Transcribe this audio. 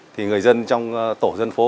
thì người dân trong tổ dân phố